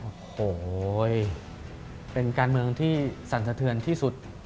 โอ้โหเป็นการเมืองที่สั่นสะเทือนที่สุด